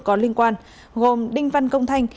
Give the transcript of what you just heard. có liên quan gồm đinh văn công thanh